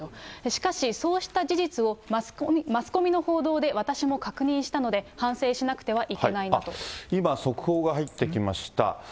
しかし、そうした事実をマスコミの報道で私も確認したので、反省しなくて今、速報が入ってきました。